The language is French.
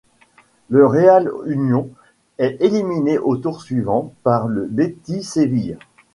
Le Real Unión est éliminé au tour suivant par le Betis Séville.